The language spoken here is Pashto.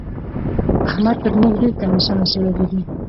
احمد تر موږ ډېر کميسونه څيرلي دي.